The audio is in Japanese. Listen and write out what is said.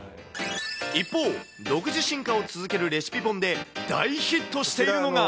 一方、独自進化を続けるレシピ本で大ヒットしているのが。